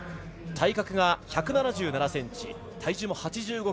体格が１７７ｃｍ体重も８５ｋｇ。